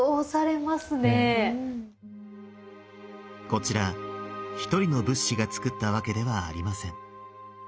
こちら１人の仏師が造ったわけではありません。